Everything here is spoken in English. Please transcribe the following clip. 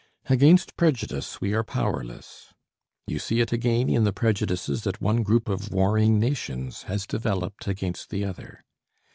Against prejudice we are powerless; you see it again in the prejudices that one group of warring nations has developed against the other.